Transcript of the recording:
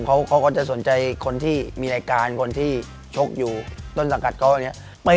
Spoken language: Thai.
เขาก็จะสนใจคนที่มีรายการคนที่ชกอยู่ต้นสังกัดเขาเนี่ย